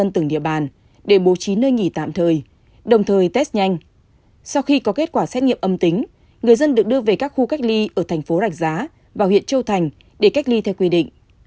trong kết quả xét nghiệm âm tính người dân được đưa về các khu cách ly ở thành phố rạch giá và huyện châu thành để cách ly theo quy định